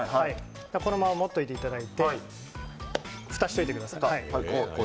このまま持っておいていただいて蓋をしておいてください。